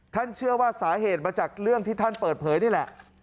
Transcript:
เชื่อว่าสาเหตุมาจากเรื่องที่ท่านเปิดเผยนี่แหละ